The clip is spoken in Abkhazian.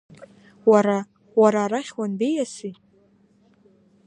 Уара, уара арахь уанбеиаси?